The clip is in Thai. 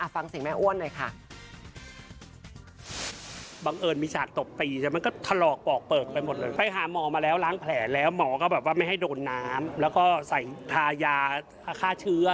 ฟังเสียงแม่อ้วนหน่อยค่ะ